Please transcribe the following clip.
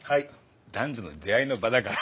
男女の出会いの場だから。